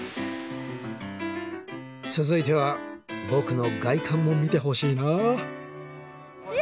続いては僕の外観も見てほしいなあ。